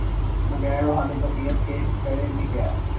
بغیر روحانی تقویت کے، کرے بھی کیا۔